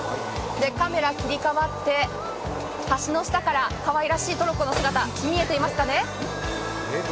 カメラ切り替わって、橋の下からかわいらしいトロッコの姿見えていますかね。